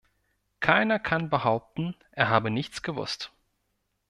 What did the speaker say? Keiner kann behaupten, er habe nichts gewusst.